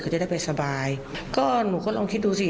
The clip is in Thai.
เขาจะได้ไปสบายก็หนูก็ลองคิดดูสิ